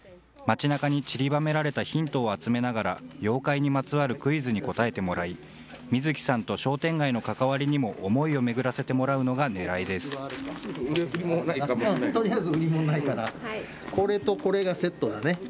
街なかにちりばめられたヒントを集めながら、妖怪にまつわるクイズに答えてもらい、水木さんと商店街の関わりにも思いを巡らせてもらうのがねらいでこれとこれがセットだね。